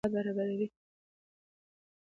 هلمند سیند د افغانستان د صنعت لپاره مواد برابروي.